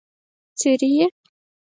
څري يې؟